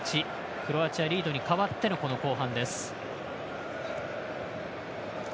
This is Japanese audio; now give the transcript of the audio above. クロアチアリードに変わってのこの後半です。